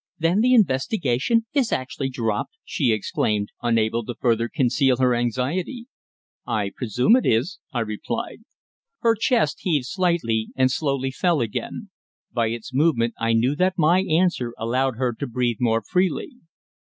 "Then the investigation is actually dropped?" she exclaimed, unable to further conceal her anxiety. "I presume it is," I replied. Her chest heaved slightly, and slowly fell again. By its movement I knew that my answer allowed her to breathe more freely.